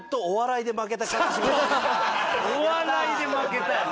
お笑いで負けた。